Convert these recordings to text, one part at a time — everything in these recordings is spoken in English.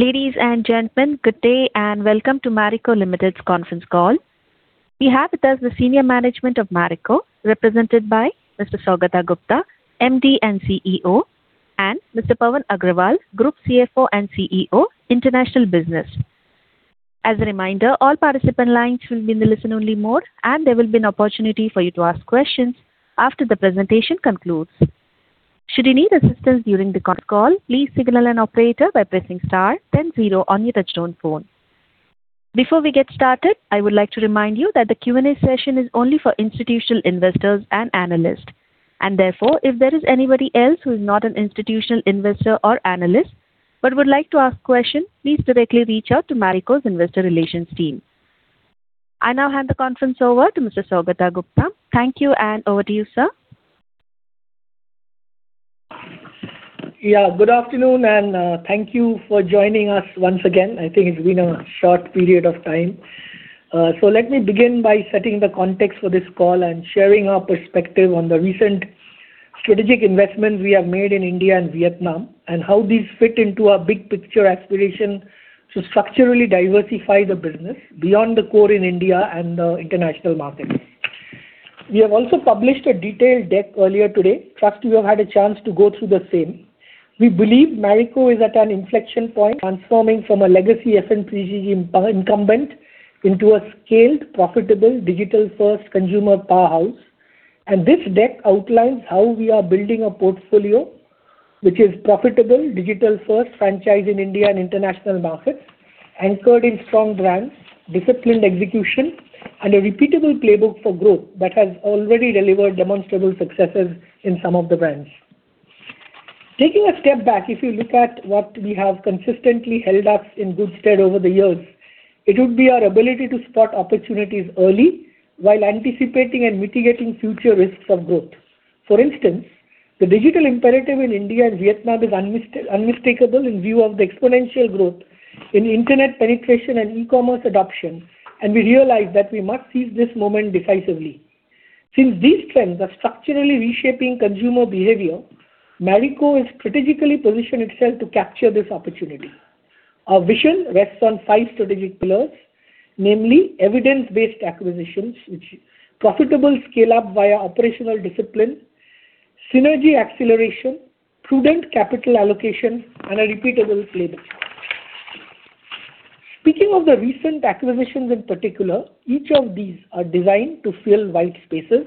Ladies and gentlemen, good day and welcome to Marico Limited's conference call. We have with us the senior management of Marico, represented by Mr. Saugata Gupta, MD and CEO, and Mr. Pawan Agrawal, Group CFO and CEO, International Business. As a reminder, all participant lines will be in the listen-only mode, and there will be an opportunity for you to ask questions after the presentation concludes. Should you need assistance during the call, please signal an operator by pressing star then zero on your touchtone phone. Before we get started, I would like to remind you that the Q&A session is only for institutional investors and analysts, and therefore, if there is anybody else who is not an institutional investor or analyst, but would like to ask a question, please directly reach out to Marico's Investor Relations team. I now hand the conference over to Mr. Saugata Gupta. Thank you, and over to you, sir. Yeah, good afternoon, and, thank you for joining us once again. I think it's been a short period of time. So let me begin by setting the context for this call and sharing our perspective on the recent strategic investments we have made in India and Vietnam, and how these fit into our big picture aspiration to structurally diversify the business beyond the core in India and the international markets. We have also published a detailed deck earlier today. Trust you have had a chance to go through the same. We believe Marico is at an inflection point, transforming from a legacy FMCG incumbent into a scaled, profitable, digital-first consumer powerhouse. This deck outlines how we are building a portfolio which is profitable, digital-first franchise in India and international markets, anchored in strong brands, disciplined execution, and a repeatable playbook for growth that has already delivered demonstrable successes in some of the brands. Taking a step back, if you look at what we have consistently held us in good stead over the years, it would be our ability to spot opportunities early while anticipating and mitigating future risks of growth. For instance, the digital imperative in India and Vietnam is unmistakable, unmistakable in view of the exponential growth in internet penetration and e-commerce adoption, and we realize that we must seize this moment decisively. Since these trends are structurally reshaping consumer behavior, Marico has strategically positioned itself to capture this opportunity. Our vision rests on five strategic pillars, namely evidence-based acquisitions, profitable scale-up via operational discipline, synergy acceleration, prudent capital allocation, and a repeatable playbook. Speaking of the recent acquisitions in particular, each of these are designed to fill white spaces,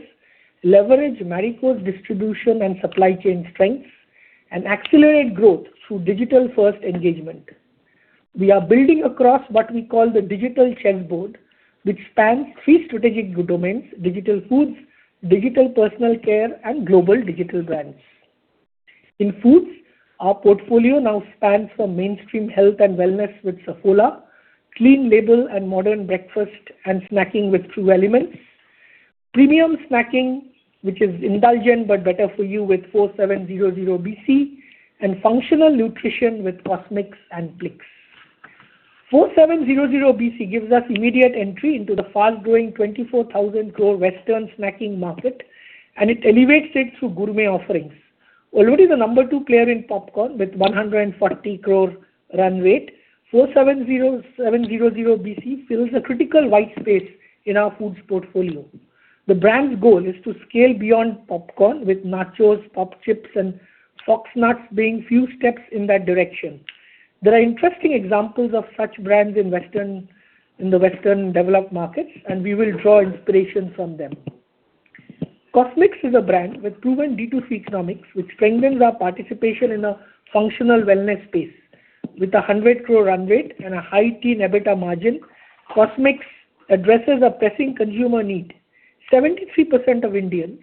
leverage Marico's distribution and supply chain strengths, and accelerate growth through digital-first engagement. We are building across what we call the digital chessboard, which spans three strategic domains: digital foods, digital personal care, and global digital brands. In foods, our portfolio now spans from mainstream health and wellness with Saffola, clean label and modern breakfast and snacking with True Elements, premium snacking, which is indulgent but better for you with 4700BC, and functional nutrition with Cosmix and Plix. 4700BC gives us immediate entry into the fast-growing 24,000 crore Western snacking market, and it elevates it through gourmet offerings. Already the number two player in popcorn with 140 crore run rate, 4700BC fills a critical white space in our foods portfolio. The brand's goal is to scale beyond popcorn, with nachos, pop chips, and fox nuts being few steps in that direction. There are interesting examples of such brands in Western, in the Western developed markets, and we will draw inspiration from them. Cosmix is a brand with proven D2C economics, which strengthens our participation in a functional wellness space. With a 100 crore run rate and a high-teen EBITDA margin, Cosmix addresses a pressing consumer need. 73% of Indians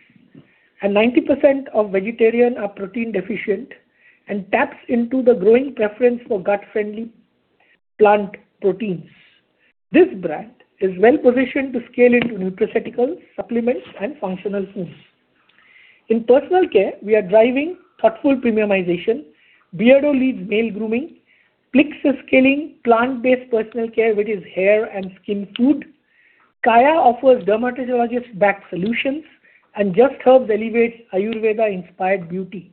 and 90% of vegetarian are protein deficient and taps into the growing preference for gut-friendly plant proteins. This brand is well-positioned to scale into nutraceuticals, supplements, and functional foods. In personal care, we are driving thoughtful premiumization. Beardo leads male grooming. Plix is scaling plant-based personal care, which is hair and skin food. Kaya offers dermatologist-backed solutions, and Just Herbs elevates Ayurveda-inspired beauty.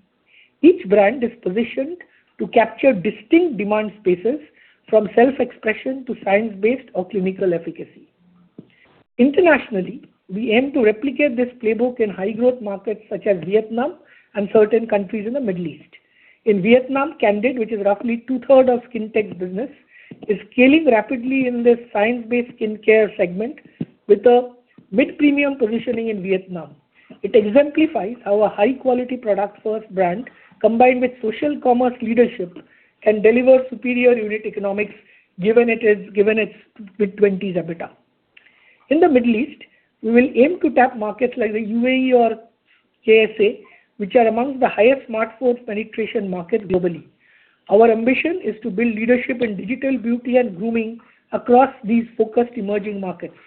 Each brand is positioned to capture distinct demand spaces, from self-expression to science-based or clinical efficacy. Internationally, we aim to replicate this playbook in high-growth markets such as Vietnam and certain countries in the Middle East. In Vietnam, Candid, which is roughly two-thirds of skin tech business, is scaling rapidly in this science-based skincare segment with a mid-premium positioning in Vietnam. It exemplifies how a high-quality product-first brand, combined with social commerce leadership, can deliver superior unit economics, given its mid-twenties EBITDA. In the Middle East, we will aim to tap markets like the UAE or KSA, which are among the highest smartphone penetration markets globally. Our ambition is to build leadership in digital beauty and grooming across these focused emerging markets.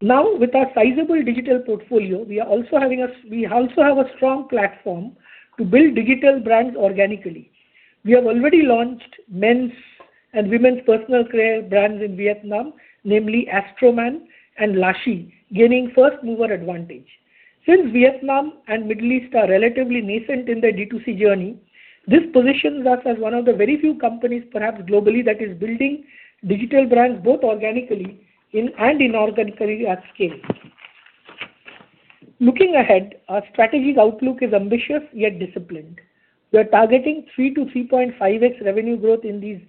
Now, with our sizable digital portfolio, we also have a strong platform to build digital brands organically. We have already launched men's and women's personal care brands in Vietnam, namely Astroman and Lashe, gaining first mover advantage.... Since Vietnam and Middle East are relatively nascent in their D2C journey, this positions us as one of the very few companies, perhaps globally, that is building digital brands, both organically and inorganically at scale. Looking ahead, our strategic outlook is ambitious, yet disciplined. We are targeting 3-3.5x revenue growth in these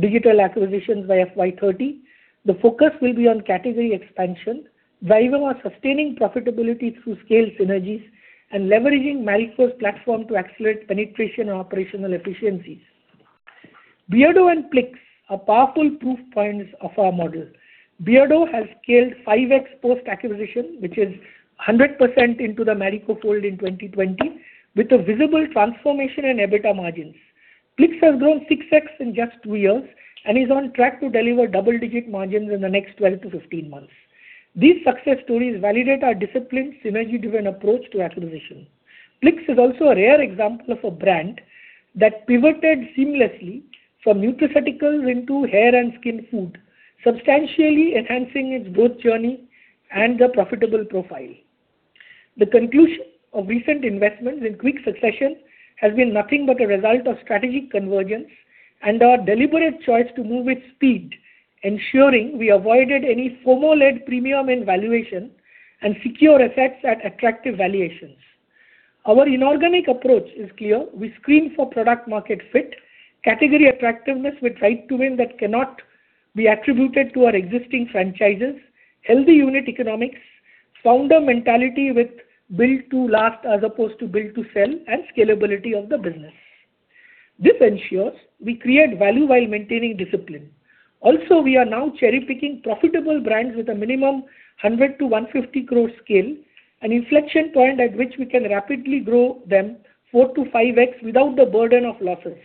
digital acquisitions by FY 2030. The focus will be on category expansion, while we are sustaining profitability through scale synergies and leveraging Marico's platform to accelerate penetration and operational efficiencies. Beardo and Plix are powerful proof points of our model. Beardo has scaled 5x post-acquisition, which is 100% into the Marico fold in 2020, with a visible transformation in EBITDA margins. Plix has grown 6x in just two years, and is on track to deliver double-digit margins in the next 12-15 months. These success stories validate our disciplined, synergy-driven approach to acquisition. Plix is also a rare example of a brand that pivoted seamlessly from nutraceuticals into hair and skin food, substantially enhancing its growth journey and the profitable profile. The conclusion of recent investments in quick succession has been nothing but a result of strategic convergence and our deliberate choice to move with speed, ensuring we avoided any FOMO-led premium and valuation, and secure assets at attractive valuations. Our inorganic approach is clear: We screen for product market fit, category attractiveness with right to win that cannot be attributed to our existing franchises, healthy unit economics, founder mentality with build to last as opposed to build to sell, and scalability of the business. This ensures we create value while maintaining discipline. Also, we are now cherry-picking profitable brands with a minimum 100 crore-150 crore scale, an inflection point at which we can rapidly grow them 4-5x without the burden of losses.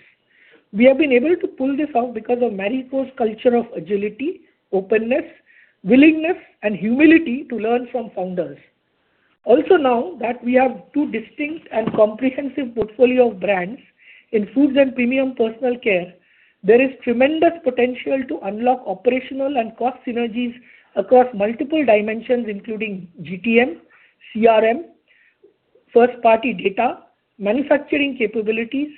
We have been able to pull this off because of Marico's culture of agility, openness, willingness, and humility to learn from founders. Also, now that we have two distinct and comprehensive portfolio of brands in foods and premium personal care, there is tremendous potential to unlock operational and cost synergies across multiple dimensions, including GTM, CRM, first-party data, manufacturing capabilities,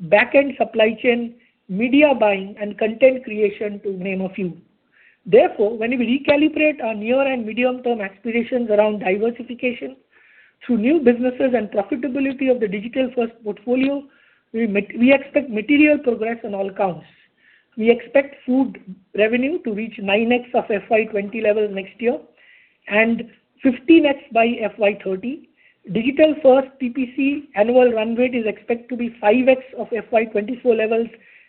back-end supply chain, media buying, and content creation, to name a few. Therefore, when we recalibrate our near and medium-term aspirations around diversification through new businesses and profitability of the digital-first portfolio, we expect material progress on all accounts. We expect food revenue to reach 9x of FY 2020 level next year, and 15x by FY 2030. Digital-first PPC annual run rate is expected to be 5x of FY 2024 levels,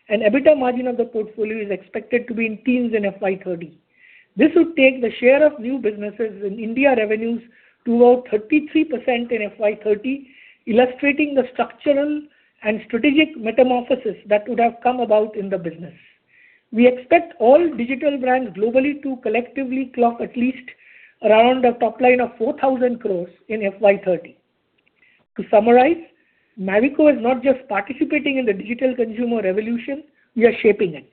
and EBITDA margin of the portfolio is expected to be in teens in FY 2030. This would take the share of new businesses in India revenues to about 33% in FY 2030, illustrating the structural and strategic metamorphosis that would have come about in the business. We expect all digital brands globally to collectively clock at least around a top line of 4,000 crore in FY 2030. To summarize, Marico is not just participating in the digital consumer revolution, we are shaping it.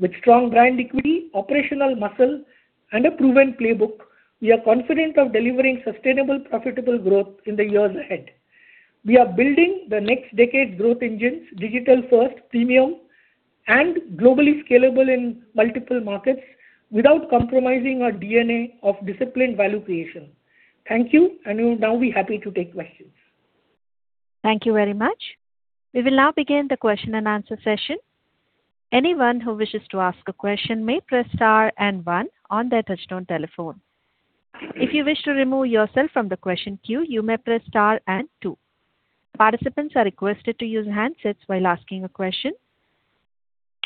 With strong brand equity, operational muscle, and a proven playbook, we are confident of delivering sustainable, profitable growth in the years ahead. We are building the next decade's growth engines, digital-first, premium, and globally scalable in multiple markets, without compromising our DNA of disciplined value creation. Thank you, and we'll now be happy to take questions. Thank you very much. We will now begin the question and answer session. Anyone who wishes to ask a question may press star and one on their touchtone telephone. If you wish to remove yourself from the question queue, you may press star and two. Participants are requested to use handsets while asking a question.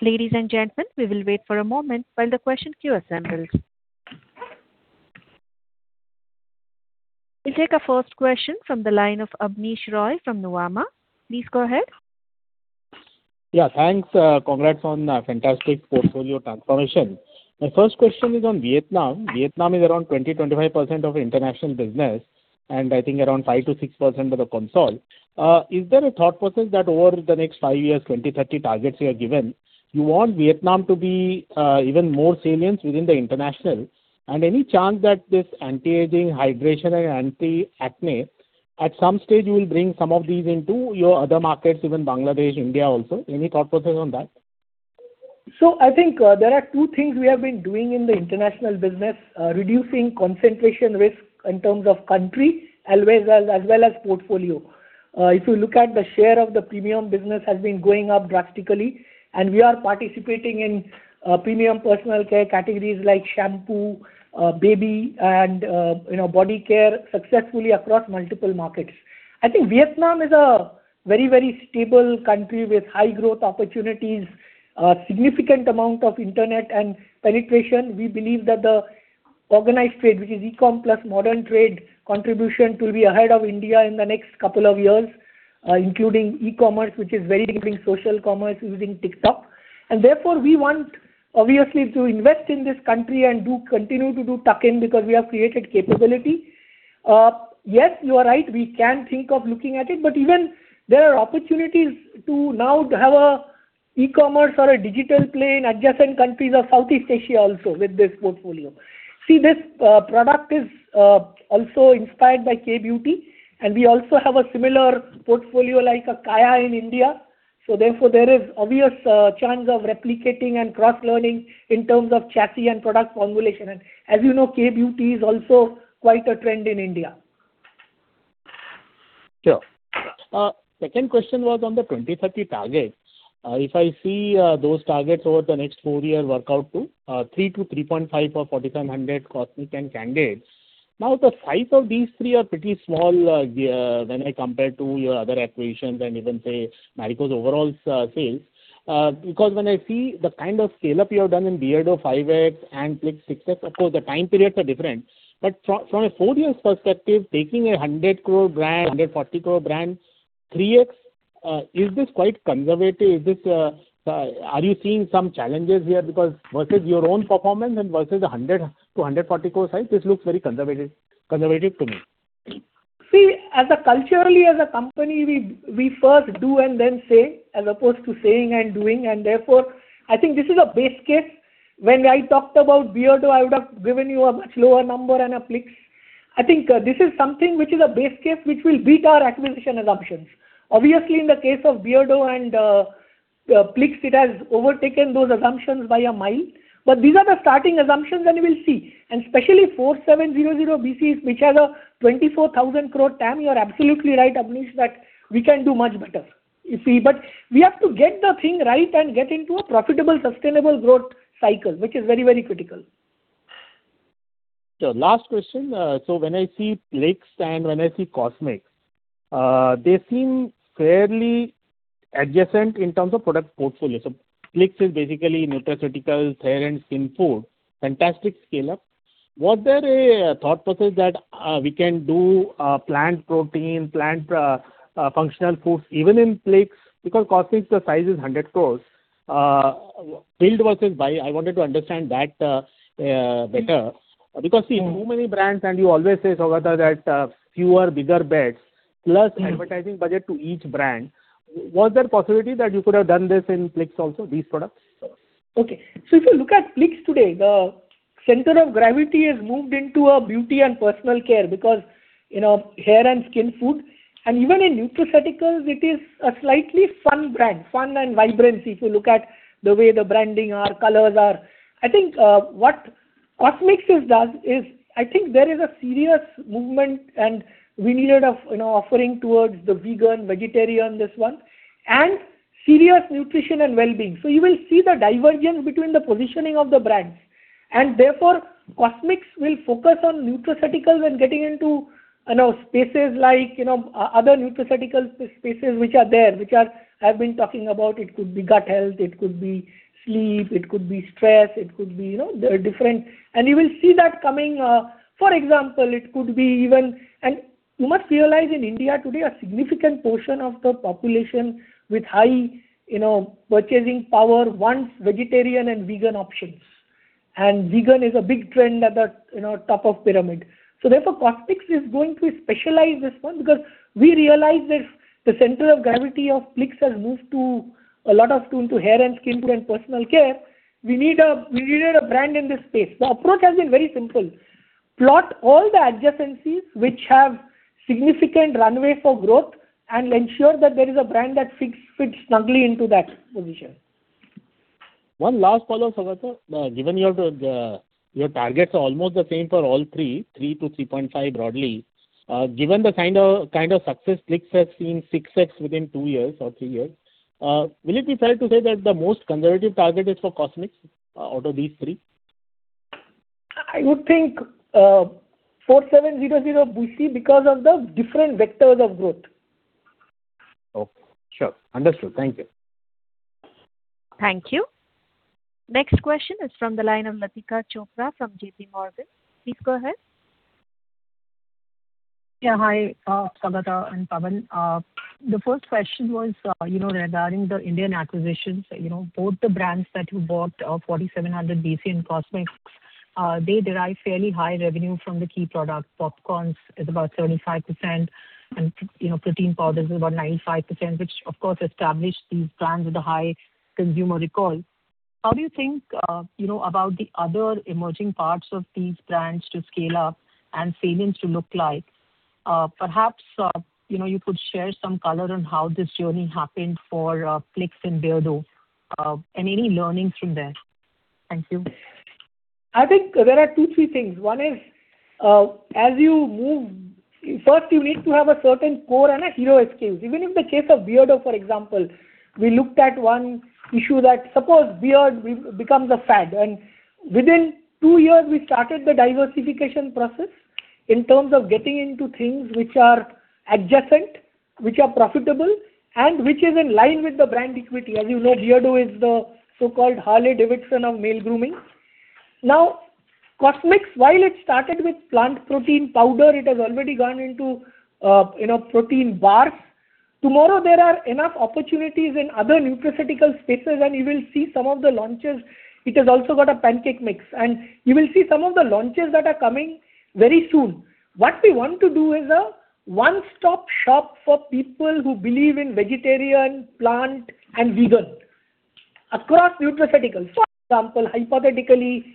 Ladies and gentlemen, we will wait for a moment while the question queue assembles. We'll take our first question from the line of Abneesh Roy from Nuvama. Please go ahead. Yeah, thanks, congrats on a fantastic portfolio transformation. My first question is on Vietnam. Vietnam is around 20-25% of international business, and I think around 5-6% of the consolidated. Is there a thought process that over the next five years, 2030 targets you have given, you want Vietnam to be, even more salient within the international? And any chance that this anti-aging, hydration, and anti-acne, at some stage, you will bring some of these into your other markets, even Bangladesh, India also? Any thought process on that? So I think, there are two things we have been doing in the international business, reducing concentration risk in terms of country as well as portfolio. If you look at the share of the premium business has been going up drastically, and we are participating in premium personal care categories like shampoo, baby, and, you know, body care successfully across multiple markets. I think Vietnam is a very, very stable country with high growth opportunities, a significant amount of internet and penetration. We believe that the organized trade, which is e-com plus modern trade contribution, to be ahead of India in the next couple of years, including e-commerce, which is very big in social commerce using TikTok. And therefore, we want, obviously, to invest in this country and do continue to do tuck-in, because we have created capability. Yes, you are right, we can think of looking at it, but even there are opportunities to now have e-commerce or a digital play, adjacent countries of Southeast Asia also with this portfolio. See, this product is also inspired by K-beauty, and we also have a similar portfolio, like, a Kaya in India. So therefore, there is obvious chance of replicating and cross-learning in terms of chassis and product formulation. And as you know, K-beauty is also quite a trend in India. Sure. Second question was on the 2030 target. If I see those targets over the next four-year work out to 3-3.5x or 4700 Cosmix and Candid. Now, the size of these three are pretty small when I compare to your other acquisitions and even, say, Marico's overall sales. Because when I see the kind of scale-up you have done in Beardo, 5x, and Plix, 6x, of course, the time periods are different. But from a four-year perspective, taking a 100 crore brand, 140 crore brand, 3x, is this quite conservative? Is this are you seeing some challenges here? Because versus your own performance and versus the 100-140 crore size, this looks very conservative to me. See, as a culturally, as a company, we, we first do and then say, as opposed to saying and doing, and therefore, I think this is a base case. When I talked about Beardo, I would have given you a much lower number and a Plix. I think, this is something which is a base case, which will beat our acquisition assumptions. Obviously, in the case of Beardo and, Plix, it has overtaken those assumptions by a mile. But these are the starting assumptions, and you will see, and especially 4700BC, which has a 24,000 crore TAM. You're absolutely right, Abneesh, that we can do much better. You see, but we have to get the thing right and get into a profitable, sustainable growth cycle, which is very, very critical. Last question. When I see Plix and when I see Cosmix, they seem fairly adjacent in terms of product portfolio. Plix is basically nutraceutical, hair and skin food. Fantastic scale-up. Was there a thought process that we can do plant protein, plant functional foods, even in Plix? Because Cosmix, the size is 100 crore. Build versus buy, I wanted to understand that better. Because see, too many brands, and you always say, Saugata, that fewer, bigger bets, plus advertising budget to each brand. Was there a possibility that you could have done this in Plix also, these products? Okay. So if you look at Plix today, the center of gravity has moved into beauty and personal care, because, you know, hair and skin food, and even in nutraceuticals, it is a slightly fun brand, fun and vibrancy, if you look at the way the branding are, colors are. I think what Cosmix has done is, I think there is a serious movement, and we needed of, you know, offering towards the vegan, vegetarian, this one, and serious nutrition and well-being. So you will see the divergence between the positioning of the brands, and therefore, Cosmix will focus on nutraceuticals and getting into, you know, spaces like, you know, other nutraceutical spaces which are there, which are... I've been talking about, it could be gut health, it could be sleep, it could be stress, it could be, you know, there are different. And you will see that coming. For example, it could be even. And you must realize in India today, a significant portion of the population with high, you know, purchasing power, wants vegetarian and vegan options. And vegan is a big trend at the, you know, top of pyramid. So therefore, Cosmix is going to specialize this one, because we realize this, the center of gravity of Plix has moved to a lot of tune to hair and skin and personal care. We need a. We needed a brand in this space. The approach has been very simple: Plot all the adjacencies which have significant runway for growth, and ensure that there is a brand that fits snugly into that position. One last follow, Saugata. Given your, your targets are almost the same for all three, 3-3.5, broadly. Given the kind of, kind of success Plix has seen, 6x within two years or three years, will it be fair to say that the most conservative target is for Cosmix, out of these three? I would think, 4700BC because of the different vectors of growth. Okay, sure. Understood. Thank you. Thank you. Next question is from the line of Latika Chopra from JPMorgan. Please go ahead. Yeah, hi, Saugata and Pawan. The first question was, you know, regarding the Indian acquisitions. You know, both the brands that you bought, 4700BC and Cosmix, they derive fairly high revenue from the key products. Popcorns is about 35%, and you know, protein powder is about 95%, which of course, established these brands with a high consumer recall. How do you think, you know, about the other emerging parts of these brands to scale up and failings to look like? Perhaps, you know, you could share some color on how this journey happened for, Plix and Beardo, and any learnings from there. Thank you. I think there are two, three things. One is, as you move, first, you need to have a certain core and a hero SKU. Even in the case of Beardo, for example, we looked at one issue that suppose beard becomes a fad, and within two years we started the diversification process in terms of getting into things which are adjacent, which are profitable, and which is in line with the brand equity. As you know, Beardo is the so-called Harley Davidson of male grooming. Now, Cosmix, while it started with plant protein powder, it has already gone into, you know, protein bars. Tomorrow there are enough opportunities in other nutraceutical spaces, and you will see some of the launches. It has also got a pancake mix, and you will see some of the launches that are coming very soon. What we want to do is a one-stop shop for people who believe in vegetarian, plant, and vegan across nutraceuticals. For example, hypothetically,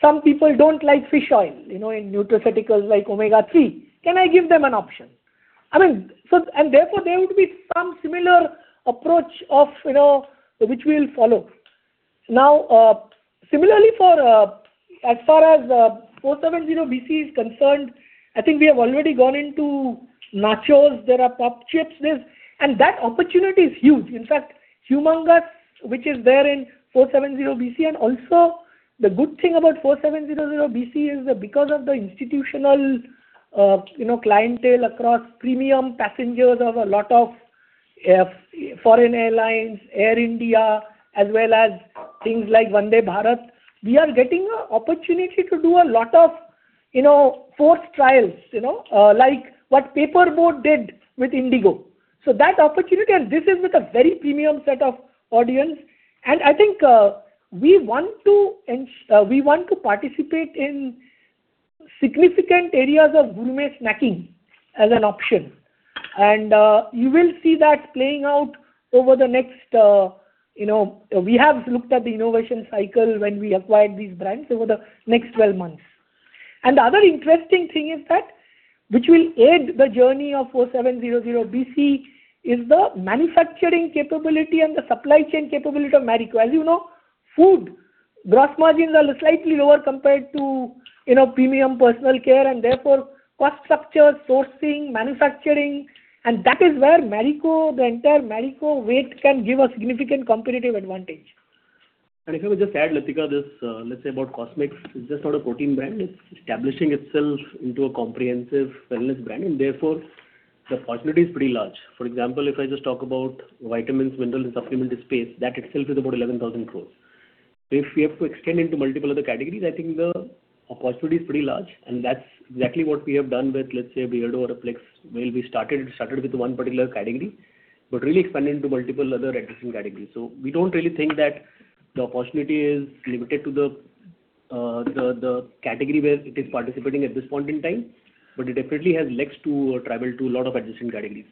some people don't like fish oil, you know, in nutraceuticals like omega-3. Can I give them an option? I mean, and therefore, there would be some similar approach of, you know, which we will follow. Now, similarly, for, as far as, 4700BC is concerned, I think we have already gone into nachos, there are pop chips, there's—and that opportunity is huge. In fact, Humangus, which is there in 4700BC, and also the good thing about 4700BC is that because of the institutional, you know, clientele across premium passengers of a lot of foreign airlines, Air India, as well as things like Vande Bharat, we are getting an opportunity to do a lot of, you know, food trials, you know, like what Paper Boat did with IndiGo. So that opportunity, and this is with a very premium set of audience, and I think we want to participate in significant areas of gourmet snacking as an option. And you will see that playing out over the next, you know... We have looked at the innovation cycle when we acquired these brands over the next 12 months. The other interesting thing is that, which will aid the journey of 4700BC, is the manufacturing capability and the supply chain capability of Marico. As you know, food gross margins are slightly lower compared to, you know, premium personal care, and therefore, cost structure, sourcing, manufacturing, and that is where Marico, the entire Marico weight can give a significant competitive advantage. If I may just add, Latika, this, let's say, about Cosmix, it's just not a protein brand. It's establishing itself into a comprehensive wellness brand, and therefore, the opportunity is pretty large. For example, if I just talk about vitamins, minerals, and supplement space, that itself is about 11,000 crore. If we have to extend into multiple other categories, I think the opportunity is pretty large, and that's exactly what we have done with, let's say, Beardo or Plix, where we started with one particular category, but really expanded into multiple other adjacent categories. So we don't really think that the opportunity is limited to the, the category where it is participating at this point in time, but it definitely has legs to, or travel to a lot of adjacent categories.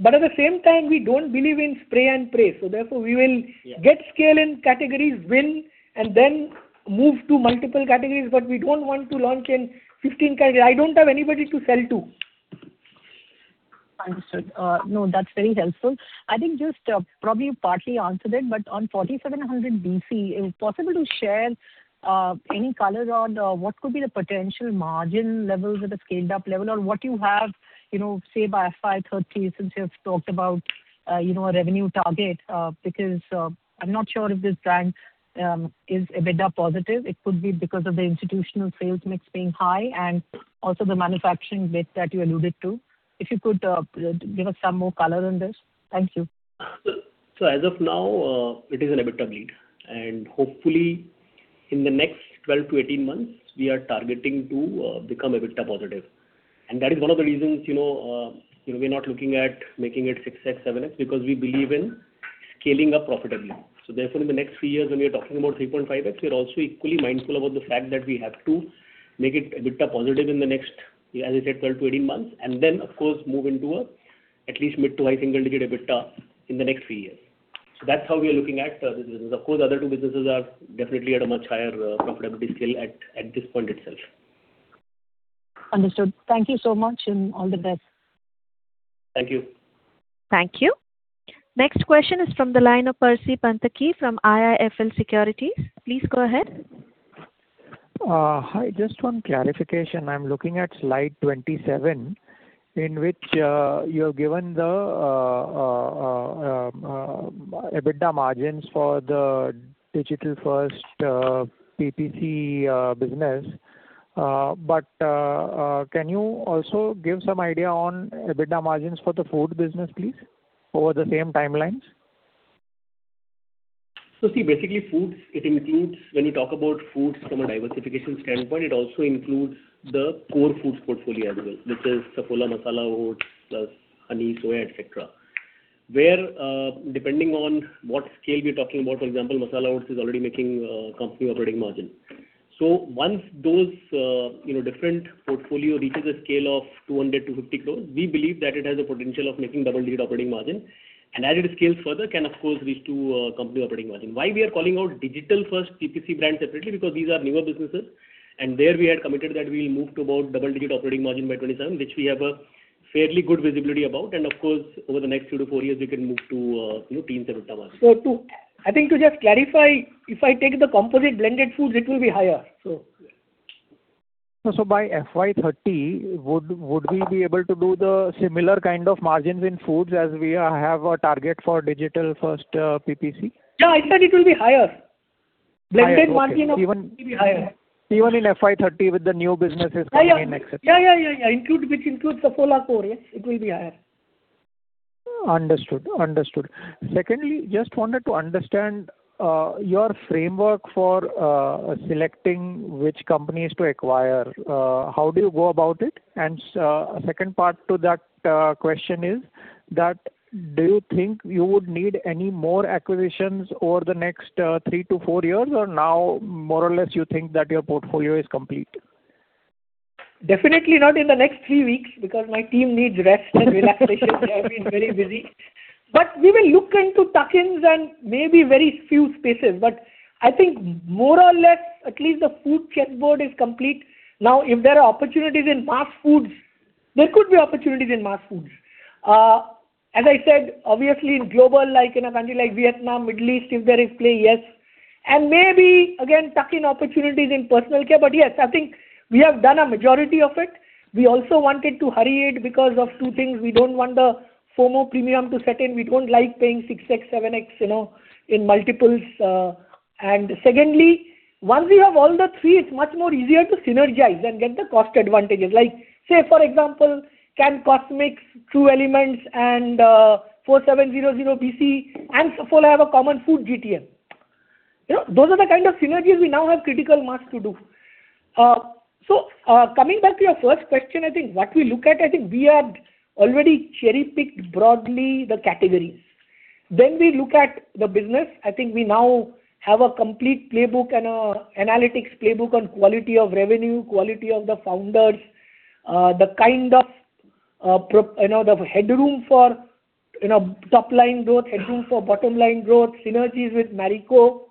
But at the same time, we don't believe in spray and pray. So therefore, we will- Yeah. Get scale in categories, win, and then move to multiple categories. But we don't want to launch in 15 categories. I don't have anybody to sell to. Understood. No, that's very helpful. I think just, probably you partly answered it, but on 4700BC, is it possible to share any color on what could be the potential margin levels at a scaled-up level? Or what you have, you know, say, by FY 2030, since you have talked about, you know, a revenue target? Because I'm not sure if this brand is EBITDA positive. It could be because of the institutional sales mix being high and also the manufacturing bit that you alluded to. If you could give us some more color on this. Thank you. So as of now, it is an EBITDA loss, and hopefully, in the next 12-18 months, we are targeting to become EBITDA positive. And that is one of the reasons, you know, we're not looking at making it 6x, 7x, because we believe in scaling up profitably. So therefore, in the next three years, when we are talking about 3.5x, we are also equally mindful about the fact that we have to make it EBITDA positive in the next, as I said, 12-18 months, and then, of course, move into at least mid- to high single-digit EBITDA in the next three years. So that's how we are looking at this business. Of course, the other two businesses are definitely at a much higher profitability scale at this point itself. Understood. Thank you so much, and all the best. Thank you. Thank you. Next question is from the line of Percy Panthaki from IIFL Securities. Please go ahead. Hi. Just one clarification. I'm looking at slide 27, in which you have given the EBITDA margins for the digital-first PPC business. But can you also give some idea on EBITDA margins for the food business, please, over the same timelines? So see, basically, foods, it includes when you talk about foods from a diversification standpoint, it also includes the core foods portfolio as well, which is Saffola Masala Oats plus honey, soya, et cetera. Where, depending on what scale we are talking about, for example, Masala Oats is already making company operating margin. So once those, you know, different portfolio reaches a scale of 200-250 crores, we believe that it has a potential of making double-digit operating margin, and as it scales further, can of course, reach to company operating margin. Why we are calling out digital-first PPC brand separately? Because these are newer businesses, and there we had committed that we will move to about double-digit operating margin by 2027, which we have a fairly good visibility about. Of course, over the next 2-4 years, we can move to, you know, teens EBITDA margin. So, too, I think, to just clarify, if I take the composite blended foods, it will be higher, so. By FY 2030, would we be able to do the similar kind of margins in foods as we have a target for digital-first PPC? Yeah, I said it will be higher. Higher, okay. Blended margin will be higher. Even in FY 2030, with the new businesses coming in next year? Yeah, yeah, yeah, yeah. Include, which includes Saffola core, yeah, it will be higher. Understood. Understood. Secondly, just wanted to understand, your framework for, selecting which companies to acquire. How do you go about it? And second part to that, question is that, do you think you would need any more acquisitions over the next, 3-4 years, or now, more or less, you think that your portfolio is complete? ... Definitely not in the next three weeks, because my team needs rest and relaxation. They have been very busy. But we will look into tuck-ins and maybe very few spaces. But I think more or less, at least the food chessboard is complete. Now, if there are opportunities in mass foods, there could be opportunities in mass foods. As I said, obviously, in global, like in a country like Vietnam, Middle East, if there is play, yes, and maybe again, tuck-in opportunities in personal care. But yes, I think we have done a majority of it. We also wanted to hurry it because of two things: We don't want the FOMO premium to set in. We don't like paying 6x, 7x, you know, in multiples. And secondly, once we have all the three, it's much more easier to synergize and get the cost advantages. Like, say, for example, can Cosmix, True Elements, and 4700BC, and Saffola have a common food GTM? You know, those are the kind of synergies we now have critical mass to do. So, coming back to your first question, I think what we look at, I think we have already cherry-picked broadly the categories. Then we look at the business. I think we now have a complete playbook and analytics playbook on quality of revenue, quality of the founders, the kind of, pro-- you know, the headroom for, you know, top line growth, headroom for bottom line growth, synergies with Marico.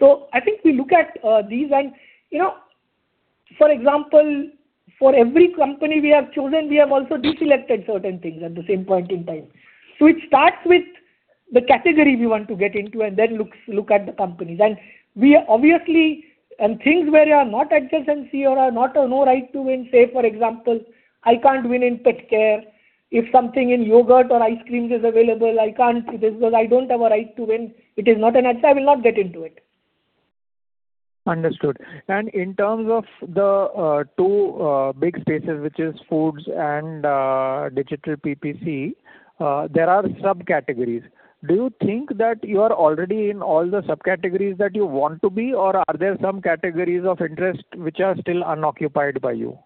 So I think we look at these and, you know, for example, for every company we have chosen, we have also deselected certain things at the same point in time. So it starts with the category we want to get into and then look at the companies. And we obviously, and things where you are not adjacency or are not a no right to win, say, for example, I can't win in pet care. If something in yogurt or ice creams is available, I can't do this because I don't have a right to win. It is not an edge, I will not get into it. Understood. And in terms of the two big spaces, which is foods and digital PPC, there are subcategories. Do you think that you are already in all the subcategories that you want to be, or are there some categories of interest which are still unoccupied by you?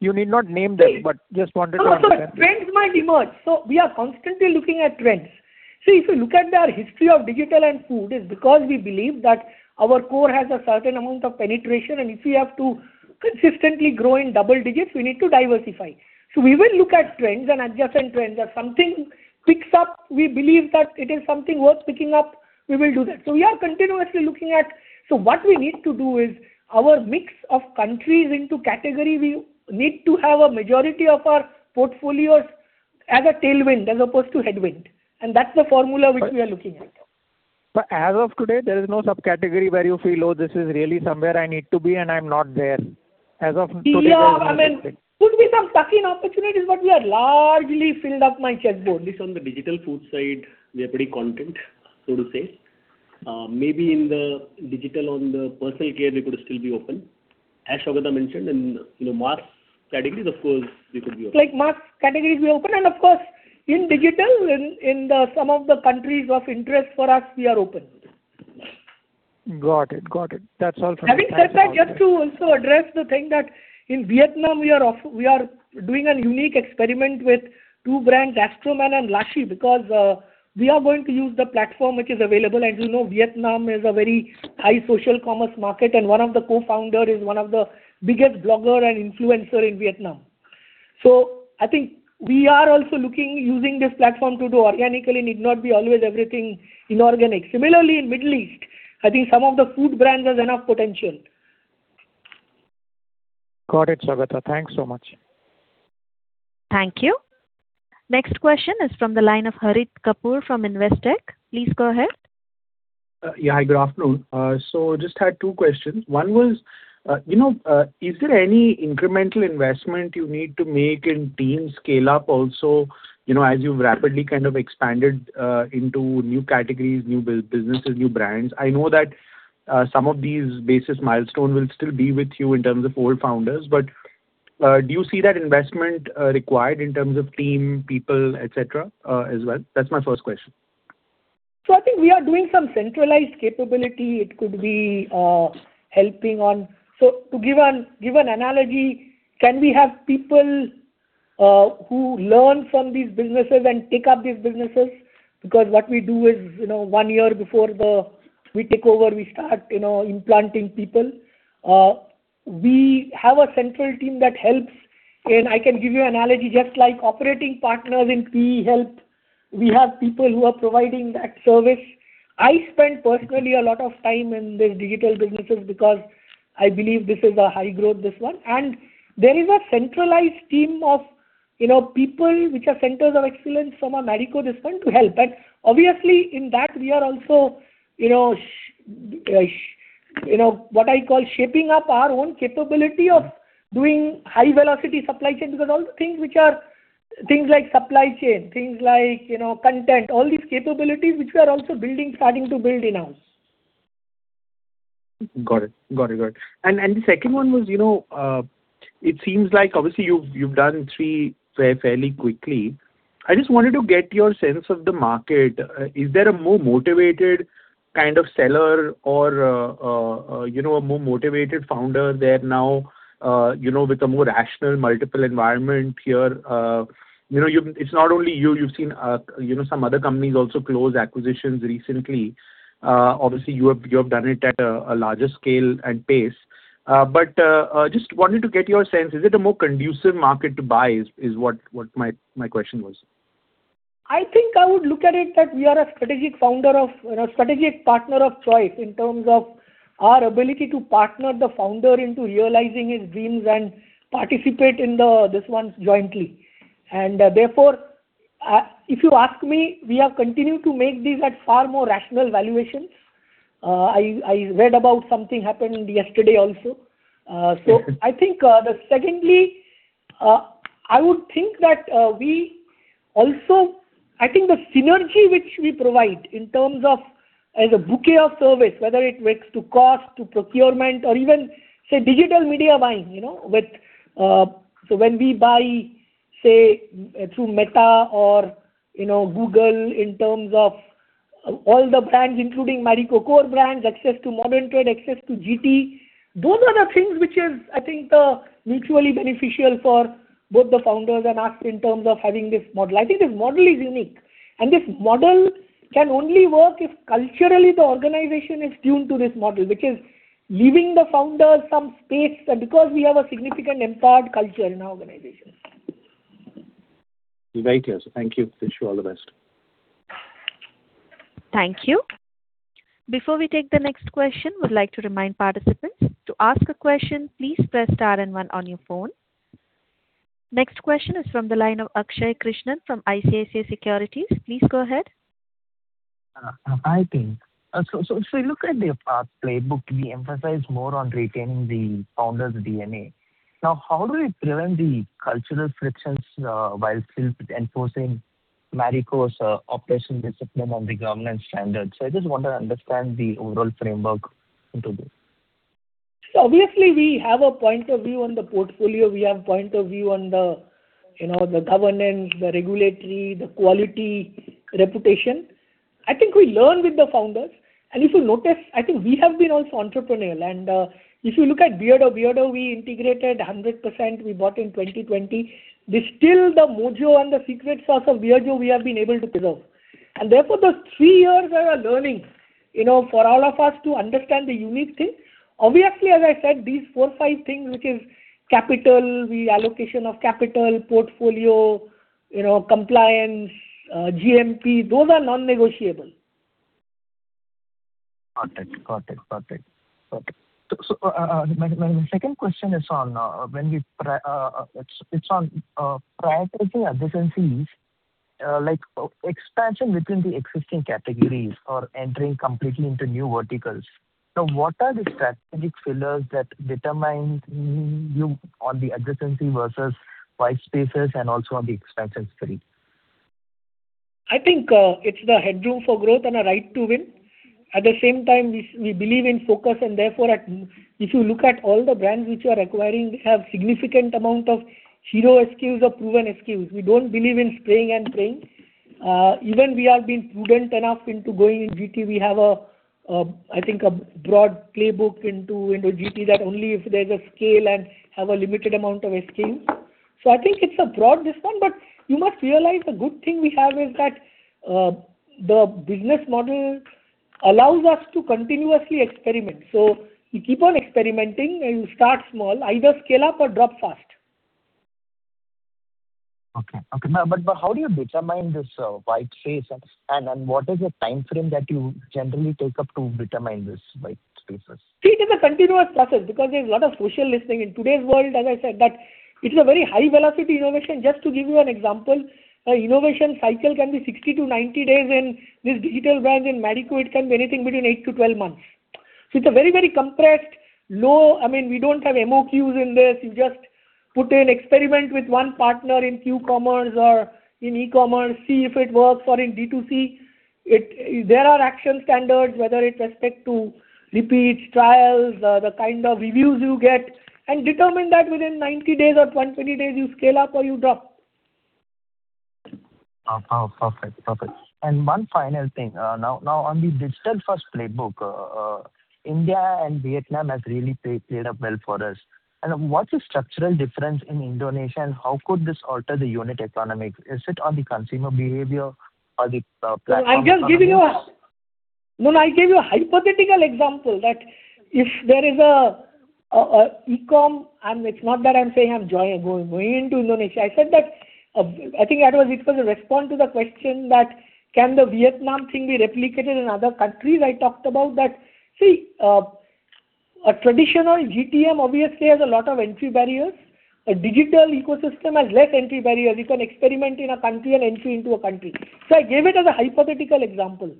You need not name them, but just wanted to understand. No, so trends might emerge. So we are constantly looking at trends. See, if you look at our history of digital and food, is because we believe that our core has a certain amount of penetration, and if we have to consistently grow in double digits, we need to diversify. So we will look at trends and adjacent trends. If something picks up, we believe that it is something worth picking up, we will do that. So we are continuously looking at... So what we need to do is, our mix of countries into category, we need to have a majority of our portfolios as a tailwind, as opposed to headwind, and that's the formula which we are looking at. As of today, there is no subcategory where you feel: Oh, this is really somewhere I need to be, and I'm not there, as of today? Yeah, I mean, could be some tuck-in opportunities, but we are largely filled up my chessboard. At least on the digital food side, we are pretty content, so to say. Maybe in the digital, on the personal care, we could still be open. As Saugata mentioned, in, you know, mass categories, of course, we could be open. Like, mass categories, we are open, and of course, in digital, in some of the countries of interest for us, we are open. Got it, got it. That's all from my side. Having said that, just to also address the thing that in Vietnam, we are doing a unique experiment with two brands, Astroman and Lashe, because we are going to use the platform which is available. As you know, Vietnam is a very high social commerce market, and one of the co-founder is one of the biggest blogger and influencer in Vietnam. So I think we are also looking, using this platform to do organically, need not be always everything inorganic. Similarly, in Middle East, I think some of the food brands has enough potential. Got it, Saugata. Thanks so much. Thank you. Next question is from the line of Harit Kapoor from Investec. Please go ahead. Yeah, hi, good afternoon. So just had two questions. One was, you know, is there any incremental investment you need to make in team scale-up also, you know, as you've rapidly kind of expanded into new categories, new businesses, new brands? I know that some of these based milestones will still be with you in terms of old founders, but do you see that investment required in terms of team, people, et cetera, as well? That's my first question. So I think we are doing some centralized capability. It could be, helping on... So to give an analogy, can we have people who learn from these businesses and take up these businesses? Because what we do is, you know, one year before the-- we take over, we start, you know, implanting people. We have a central team that helps, and I can give you analogy, just like operating partners in PE help, we have people who are providing that service. I spend personally a lot of time in this digital businesses, because I believe this is a high growth, this one. And there is a centralized team of, you know, people which are centers of excellence from our Marico, this one, to help. But obviously, in that we are also, you know, what I call shaping up our own capability of doing high velocity supply chain. Because all the things which are... things like supply chain, things like, you know, content, all these capabilities, which we are also building, starting to build in-house. Got it. Got it, got it. And the second one was, you know, it seems like obviously, you've, you've done three fairly quickly. I just wanted to get your sense of the market. Is there a more motivated kind of seller or, you know, a more motivated founder there now, you know, with a more rational multiple environment here? You know, you. It's not only you, you've seen, you know, some other companies also close acquisitions recently. Obviously, you have, you have done it at a larger scale and pace, but just wanted to get your sense: Is it a more conducive market to buy? Is what my question was.... I think I would look at it that we are a strategic founder of, you know, strategic partner of choice in terms of our ability to partner the founder into realizing his dreams and participate in the, this one jointly. And, therefore, if you ask me, we are continuing to make these at far more rational valuations. I read about something happening yesterday also. So I think, the secondly, I would think that, we also-- I think the synergy which we provide in terms of as a bouquet of service, whether it makes to cost, to procurement, or even, say, digital media buying, you know, with... So when we buy, say, through Meta or, you know, Google, in terms of all the brands, including Marico core brands, access to modern trade, access to GT. Those are the things which is, I think, mutually beneficial for both the founders and us in terms of having this model. I think this model is unique, and this model can only work if culturally the organization is tuned to this model, which is giving the founders some space, because we have a significant empowered culture in our organization. Very clear. So thank you. Wish you all the best. Thank you. Before we take the next question, we'd like to remind participants, to ask a question, please press star and one on your phone. Next question is from the line of Akshay Krishnan, from ICICI Securities. Please go ahead. Hi, team. So if we look at the playbook, we emphasize more on retaining the founder's DNA. Now, how do we prevent the cultural frictions while still enforcing Marico's operational discipline on the governance standards? So I just want to understand the overall framework into this. So obviously, we have a point of view on the portfolio. We have point of view on the, you know, the governance, the regulatory, the quality, reputation. I think we learn with the founders, and if you notice, I think we have been also entrepreneurial. And, if you look at Beardo, Beardo we integrated 100%, we bought in 2020. They still, the mojo and the secret sauce of Beardo we have been able to preserve. And therefore, those 3 years were a learning, you know, for all of us to understand the unique thing. Obviously, as I said, these 4, 5 things, which is capital, the allocation of capital, portfolio, you know, compliance, GMP, those are non-negotiable. Got it. Got it, got it. Okay. So, my second question is on, it's on, prioritizing adjacencies, like, expansion between the existing categories or entering completely into new verticals. So what are the strategic pillars that determine you on the adjacency versus white spaces and also on the expansion story? I think, it's the headroom for growth and a right to win. At the same time, we believe in focus, and therefore, if you look at all the brands which we are acquiring, we have significant amount of zero SKUs or proven SKUs. We don't believe in spraying and praying. Even we have been prudent enough into going in GT. We have, I think, a broad playbook into GT, that only if there's a scale and have a limited amount of SKUs. So I think it's a broad, this one, but you must realize the good thing we have is that, the business model allows us to continuously experiment. So you keep on experimenting, and you start small, either scale up or drop fast. Okay. Okay, now, but how do you determine this white space? And what is the timeframe that you generally take up to determine this white spaces? See, it is a continuous process, because there's a lot of social listening. In today's world, as I said, that it is a very high-velocity innovation. Just to give you an example, an innovation cycle can be 60-90 days, in this digital brand in Marico, it can be anything between 8-12 months. So it's a very, very compressed, low—I mean, we don't have MOQs in this. You just put an experiment with one partner in Q commerce or in e-commerce, see if it works or in D2C. There are action standards, whether it's respect to repeats, trials, the kind of reviews you get, and determine that within 90 days or 120 days, you scale up or you drop. Oh, oh, perfect. Perfect. And one final thing. Now, on the digital-first playbook, India and Vietnam has really played up well for us. And what's the structural difference in Indonesia, and how could this alter the unit economics? Is it on the consumer behavior or the platform? I'm just giving you a... No, no, I gave you a hypothetical example that if there is a e-com, and it's not that I'm saying I'm jumping, going into Indonesia. I said that, I think that was a response to the question that, "Can the Vietnam thing be replicated in other countries?" I talked about that. See, a traditional GTM obviously has a lot of entry barriers. A digital ecosystem has less entry barriers. You can experiment in a country and entry into a country. So I gave it as a hypothetical example.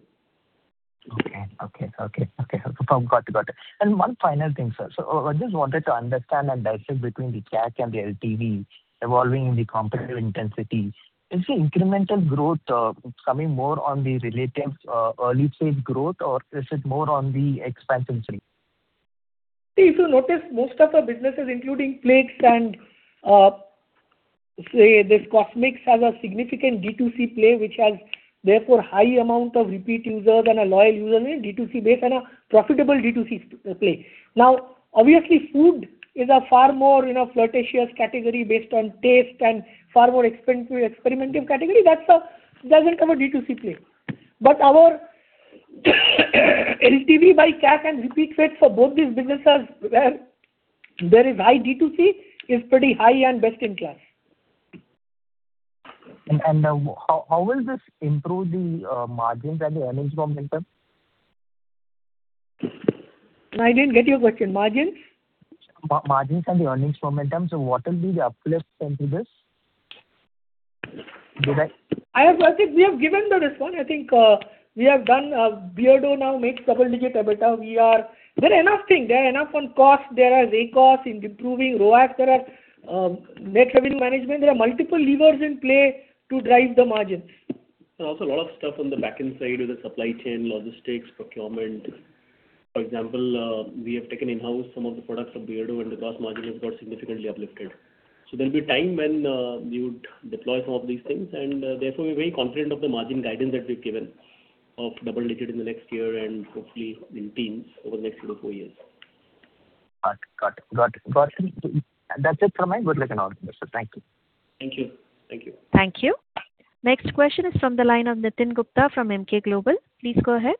Okay, okay, okay, okay. Got it, got it. One final thing, sir. So I just wanted to understand and dissect between the CAC and the LTV evolving in the competitive intensity. Is the incremental growth coming more on the relative early stage growth, or is it more on the expansion story? See, if you notice, most of our businesses, including Plix and, say, this Cosmix, has a significant D2C play, which has therefore high amount of repeat users and a loyal user D2C base and a profitable D2C play. Now, obviously, food is a far more, you know, flirtatious category based on taste and far more experimental category. That doesn't have a D2C play. But LTV by CAC and repeat rate for both these businesses where there is high D2C, is pretty high and best in class. How will this improve the margins and the earnings momentum? I didn't get your question. Margins? margins and the earnings momentum. So what will be the uplift into this? I have, I think we have given the response. I think we have done. Beardo now makes double-digit EBITDA. We are—there are enough things. There are enough on costs. There are ACOS improving, ROAS, there are net revenue management. There are multiple levers in play to drive the margins. Also a lot of stuff on the back-end side with the supply chain, logistics, procurement. For example, we have taken in-house some of the products of Beardo, and the gross margin has got significantly uplifted. So there'll be time when we would deploy some of these things, and, therefore, we're very confident of the margin guidance that we've given of double digit in the next year and hopefully in teens over the next two to four years. Got it. Got it, got it. Got it. That's it from my end. Good luck and all the best. Thank you. Thank you. Thank you. Thank you. Next question is from the line of Nitin Gupta from Emkay Global. Please go ahead.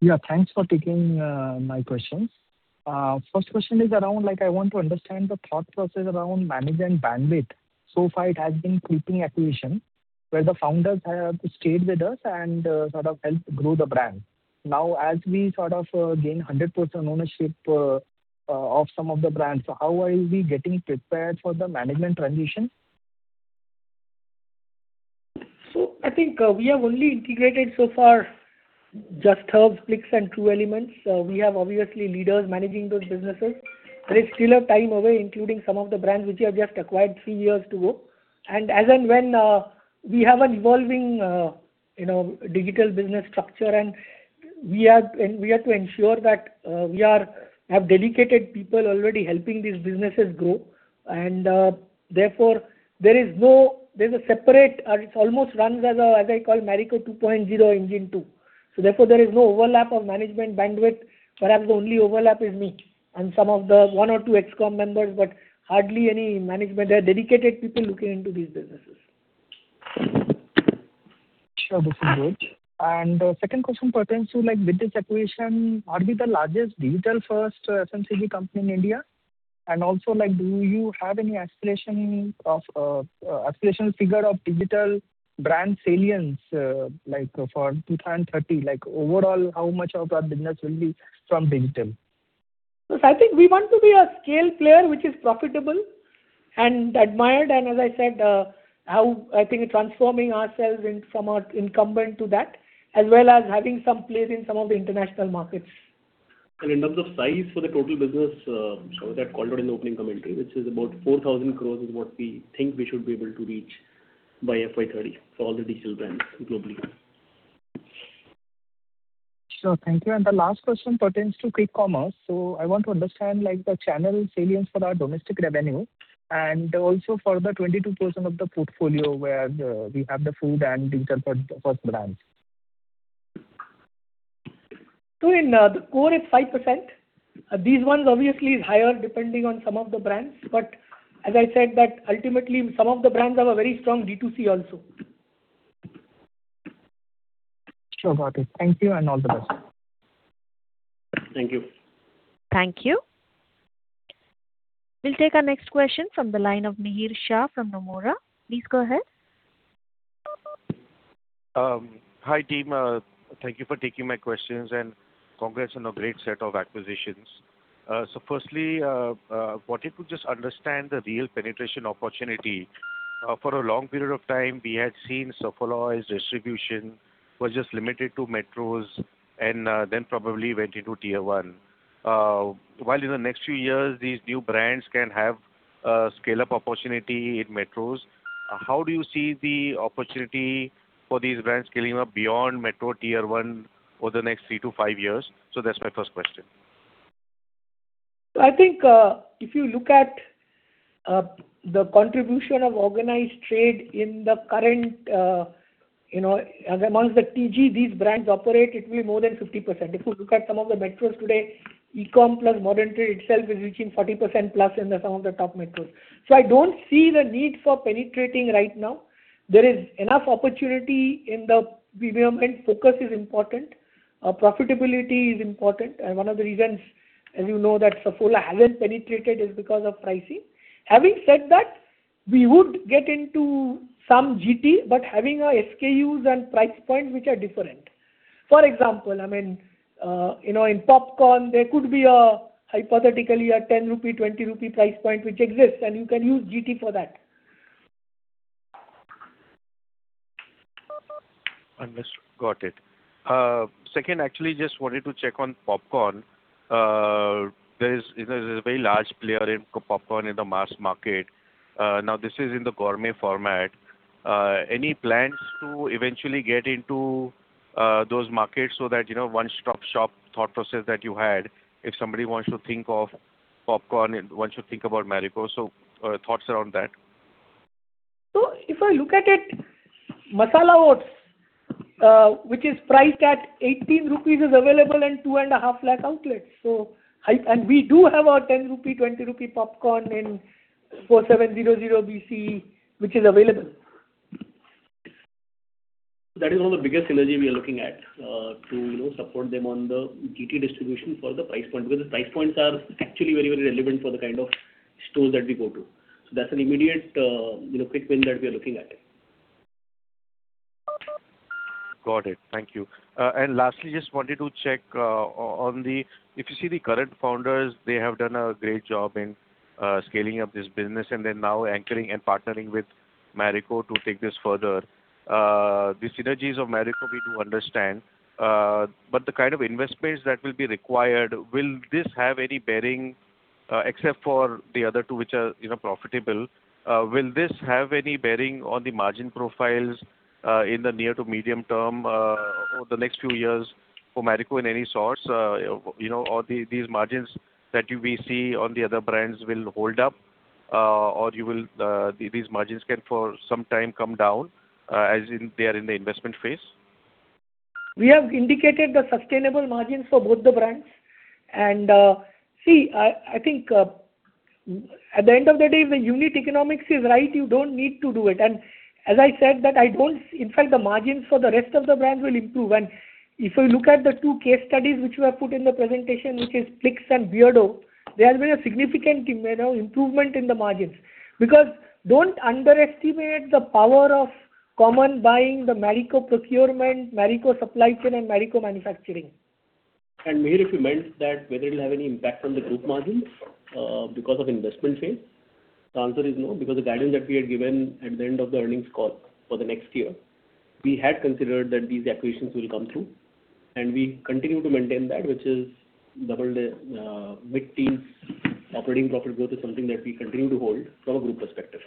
Yeah, thanks for taking my questions. First question is around, like, I want to understand the thought process around management bandwidth. So far, it has been keeping acquisition, where the founders have stayed with us and sort of helped grow the brand. Now, as we sort of gain 100% ownership of some of the brands, so how are we getting prepared for the management transition? So I think, we have only integrated so far Just Herbs, Plix and True Elements. We have obviously leaders managing those businesses. There is still a time away, including some of the brands which we have just acquired three years to go. And as and when we have an evolving, you know, digital business structure, and we are to ensure that we have dedicated people already helping these businesses grow. And therefore, there is no—there's a separate, or it's almost runs as a, as I call Marico 2.0, engine two. So therefore, there is no overlap of management bandwidth. Perhaps the only overlap is me and some of the one or two ex-com members, but hardly any management. There are dedicated people looking into these businesses. Sure, this is great. The second question pertains to, like, with this acquisition, are we the largest digital-first FMCG company in India? Also, like, do you have any aspiration of aspirational figure of digital brand salience, like for 2030? Like, overall, how much of our business will be from digital? So I think we want to be a scale player, which is profitable and admired, and as I said, I think transforming ourselves in from our incumbent to that, as well as having some place in some of the international markets. In terms of size for the total business, so that called out in the opening commentary, which is about 4,000 crore, is what we think we should be able to reach by FY 2030 for all the digital brands globally. Sure, thank you. The last question pertains to quick commerce. I want to understand, like, the channel salience for our domestic revenue, and also for the 22% of the portfolio where we have the food and digital first brands. So in the core, it's 5%. These ones obviously is higher, depending on some of the brands, but as I said, that ultimately some of the brands have a very strong D2C also. Sure, got it. Thank you, and all the best. Thank you. Thank you. We'll take our next question from the line of Mihir Shah from Nomura. Please go ahead. Hi, team. Thank you for taking my questions, and congrats on a great set of acquisitions. So firstly, wanted to just understand the real penetration opportunity. For a long period of time, we had seen Saffola's distribution was just limited to metros and, then probably went into tier one. While in the next few years, these new brands can have a scale-up opportunity in metros, how do you see the opportunity for these brands scaling up beyond metro tier one for the next three to five years? So that's my first question. I think, if you look at the contribution of organized trade in the current, you know, amongst the TG these brands operate, it will be more than 50%. If you look at some of the metros today, e-com plus modern trade itself is reaching 40%+ in some of the top metros. So I don't see the need for penetrating right now. There is enough opportunity in the premium end. Focus is important, profitability is important, and one of the reasons, as you know, that Saffola hasn't penetrated is because of pricing. Having said that, we would get into some GT, but having SKUs and price points which are different. For example, I mean, you know, in popcorn, there could be a hypothetical 10 rupee, 20 rupee price point, which exists, and you can use GT for that. Understood. Got it. Second, actually, just wanted to check on popcorn. There's a very large player in popcorn in the mass market. Now, this is in the gourmet format. Any plans to eventually get into those markets so that, you know, one-stop shop thought process that you had, if somebody wants to think of popcorn, one should think about Marico. So, thoughts around that. If I look at it, Masala Oats, which is priced at 18 rupees, is available in 250,000 outlets. And we do have our 10 rupee, 20 rupee popcorn in 4700BC, which is available. That is one of the biggest synergy we are looking at, to, you know, support them on the GT distribution for the price point. Because the price points are actually very, very relevant for the kind of stores that we go to. So that's an immediate, you know, quick win that we are looking at it. Got it. Thank you. And lastly, just wanted to check, on the... If you see the current founders, they have done a great job in scaling up this business, and then now anchoring and partnering with Marico to take this further. The synergies of Marico, we do understand, but the kind of investments that will be required, will this have any bearing, except for the other two, which are, you know, profitable? Will this have any bearing on the margin profiles, in the near to medium term, or the next few years for Marico in any source? You know, or these margins that we see on the other brands will hold up, or will these margins can for some time come down, as in they are in the investment phase? We have indicated the sustainable margins for both the brands. And, see, I think, at the end of the day, if the unit economics is right, you don't need to do it. And as I said that I don't. In fact, the margins for the rest of the brands will improve. And if you look at the two case studies, which we have put in the presentation, which is Plix and Beardo, there has been a significant, you know, improvement in the margins. Because don't underestimate the power of common buying, the Marico procurement, Marico supply chain, and Marico manufacturing. And, Mihir, if you meant that whether it'll have any impact on the group margins, because of investment phase, the answer is no, because the guidance that we had given at the end of the earnings call for the next year, we had considered that these acquisitions will come through, and we continue to maintain that, which is double the, mid-teen. Operating profit growth is something that we continue to hold from a group perspective.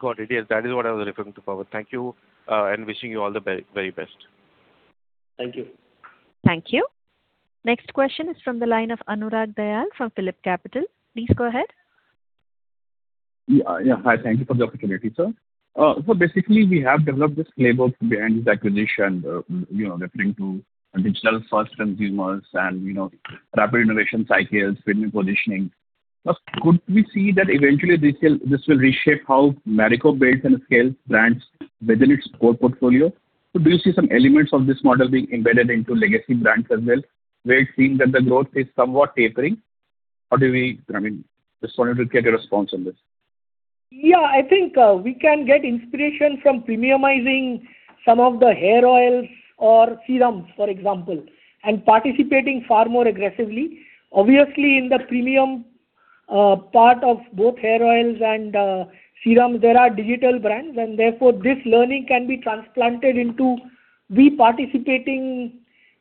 Got it. Yes, that is what I was referring to, Pawan. Thank you, and wishing you all the very best. Thank you. Thank you. Next question is from the line of Anurag Dayal from PhillipCapital. Please go ahead. Yeah. Yeah. Hi, thank you for the opportunity, sir. So basically, we have developed this playbook behind this acquisition, you know, referring to digital-first consumers and, you know, rapid innovation cycles, premium positioning. Could we see that eventually, this will, this will reshape how Marico builds and scales brands within its core portfolio? So do you see some elements of this model being embedded into legacy brands as well, where it seems that the growth is somewhat tapering? How do we... I mean, just wanted to get a response on this. Yeah, I think, we can get inspiration from premiumizing some of the hair oils or serums, for example, and participating far more aggressively. Obviously, in the premium part of both hair oils and serums, there are digital brands, and therefore, this learning can be transplanted into we participating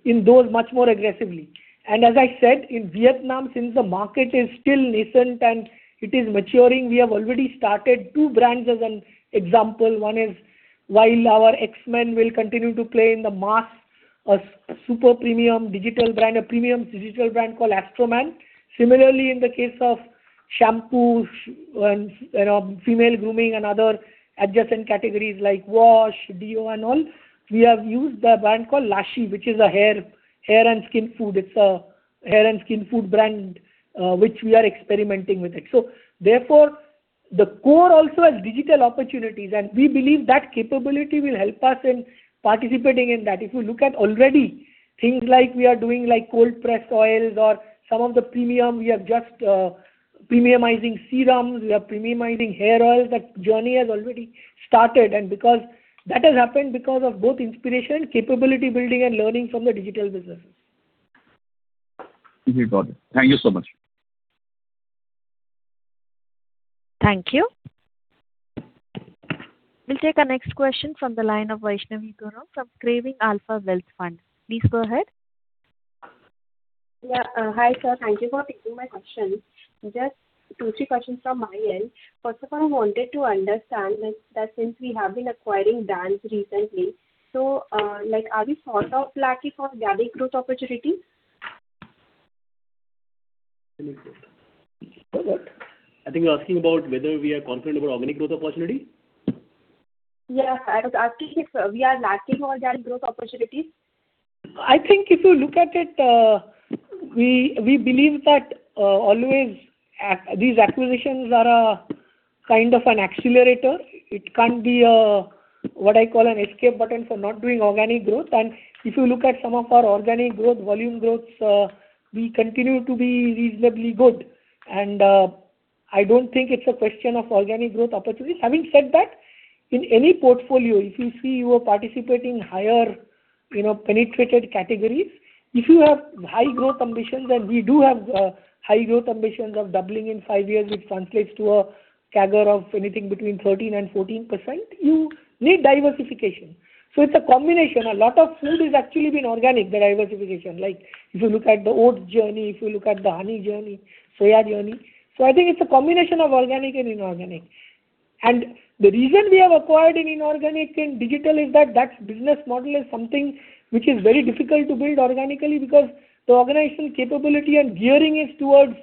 in those much more aggressively. And as I said, in Vietnam, since the market is still nascent and it is maturing, we have already started two brands as an example. One is, while our X-Men will continue to play in the mass, a super premium digital brand, a premium digital brand called Astroman. Similarly, in the case of shampoo and, you know, female grooming and other adjacent categories like wash, deo, and all, we have used a brand called Lashe, which is a hair and skin food. It's a hair and skin food brand, which we are experimenting with it. So therefore, the core also has digital opportunities, and we believe that capability will help us in participating in that. If you look at already, things like we are doing, like, cold-pressed oils or some of the premium, we are just premiumizing serums, we are premiumizing hair oils. That journey has already started. That has happened because of both inspiration, capability building, and learning from the digital businesses. Mm-hmm. Got it. Thank you so much. Thank you. We'll take our next question from the line of Vaishnavi Gurung from Craving Alpha Wealth Fund. Please go ahead. Yeah. Hi, sir. Thank you for taking my question. Just two, three questions from my end. First of all, I wanted to understand that since we have been acquiring brands recently, so, like, are we sort of lacking on organic growth opportunity? I think you're asking about whether we are confident about organic growth opportunity? Yeah. I was asking if we are lacking on that growth opportunities. I think if you look at it, we believe that always these acquisitions are a kind of an accelerator. It can't be a, what I call, an escape button for not doing organic growth. And if you look at some of our organic growth, volume growths, we continue to be reasonably good. And I don't think it's a question of organic growth opportunities. Having said that, in any portfolio, if you see you are participating higher, you know, penetrated categories, if you have high growth ambitions, and we do have high growth ambitions of doubling in five years, which translates to a CAGR of anything between 13%-14%, you need diversification. So it's a combination. A lot of food is actually been organic, the diversification. Like, if you look at the oats journey, if you look at the honey journey, soya journey. So I think it's a combination of organic and inorganic. And the reason we have acquired in inorganic and digital is that, that business model is something which is very difficult to build organically, because the organizational capability and gearing is towards...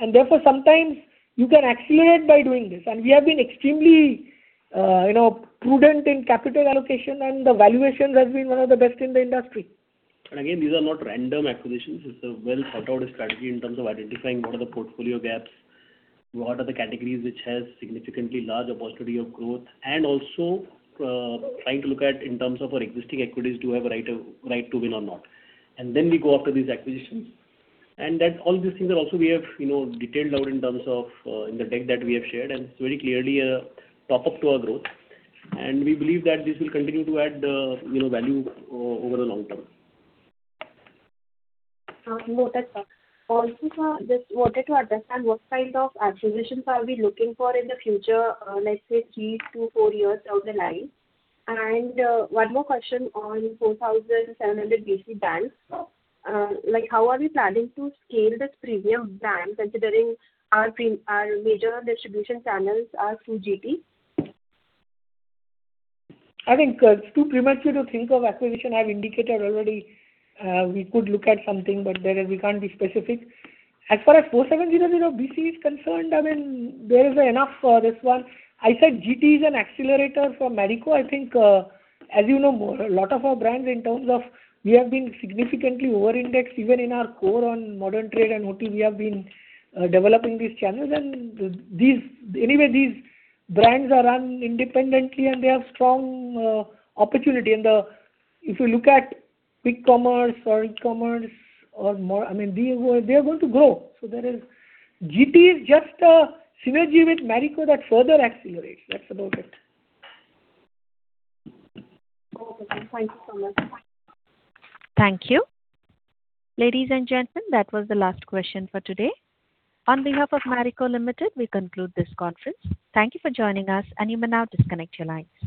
And therefore, sometimes you can accelerate by doing this. And we have been extremely, you know, prudent in capital allocation, and the valuations has been one of the best in the industry.... And again, these are not random acquisitions. It's a well-thought-out strategy in terms of identifying what are the portfolio gaps, what are the categories which has significantly large opportunity of growth, and also, trying to look at in terms of our existing equities, do we have a right of, right to win or not? And then we go after these acquisitions. And that all these things are also we have, you know, detailed out in terms of, in the deck that we have shared, and it's very clearly a top-up to our growth. And we believe that this will continue to add, you know, value over the long term. Got it sir, also, sir, just wanted to understand what kind of acquisitions are we looking for in the future, let's say, three to four years down the line? And, one more question on 4700BC brands. Like, how are we planning to scale this premium brand, considering our major distribution channels are through GT? I think it's too premature to think of acquisition. I've indicated already, we could look at something, but there is. We can't be specific. As far as 4700BC is concerned, I mean, there is enough for this one. I said GT is an accelerator for Marico. I think, as you know, a lot of our brands in terms of we have been significantly over-indexed, even in our core on modern trade and OT. We have been developing these channels, and anyway, these brands are run independently, and they have strong opportunity. And, if you look at quick commerce or e-commerce or more, I mean, they are, they are going to grow. So there is. GT is just a synergy with Marico that further accelerates. That's about it. Okay, thank you so much. Thank you. Ladies and gentlemen, that was the last question for today. On behalf of Marico Limited, we conclude this conference. Thank you for joining us, and you may now disconnect your line.